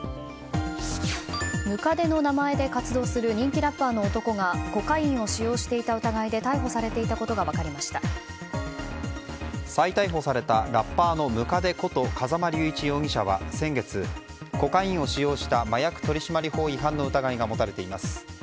百足の名前で活動する人気ラッパーの男がコカインを使用していた疑いで逮捕されていたことが再逮捕されたラッパーの百足こと風間龍一容疑者は先月コカインを使用した麻薬取締法違反の疑いが持たれています。